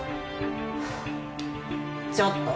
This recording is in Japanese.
ちょっと。